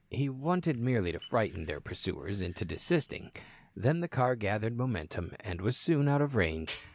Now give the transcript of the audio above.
He wanted merely to frighten their pursuers into desisting. Then the car gathered momentum, and was soon out of range.